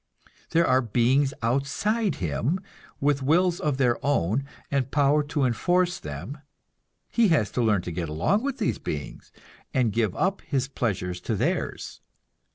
There are beings outside him, with wills of their own, and power to enforce them; he has to learn to get along with these beings, and give up his pleasures to theirs.